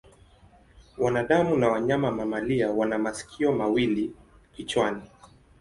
Wanadamu na wanyama mamalia wana masikio mawili kichwani.